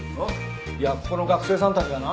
いやここの学生さんたちがな